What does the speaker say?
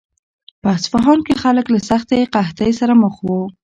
په اصفهان کې خلک له سختې قحطۍ سره مخ وو.